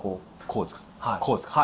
こうですか？